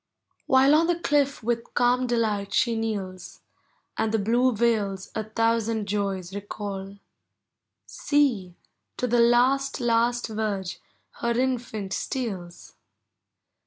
While on the cliff with calm delight she kneels, And the blue vales a thousand joys recall, See, to the last, last verge her infant steals!